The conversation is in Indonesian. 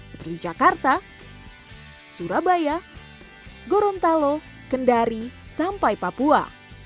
seperti jakarta surabaya gorontalo kendari sampai papua